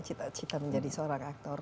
cita cita menjadi seorang aktor